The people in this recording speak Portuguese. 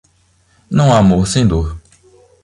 Não há amor sem dor.